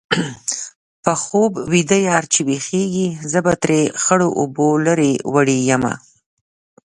په خوب ویده یار چې ويښېږي-زه به ترې خړو اوبو لرې وړې یمه